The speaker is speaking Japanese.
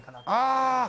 ああ！